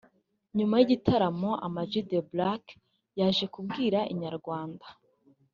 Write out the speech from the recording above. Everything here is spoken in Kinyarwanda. nyuma y'igitaramo Ama G The Black yaje kubwira Inyarwanda